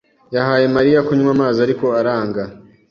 yahaye Mariya kunywa amazi, ariko aranga.